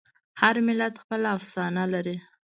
هر ملت خپله افسانه لري.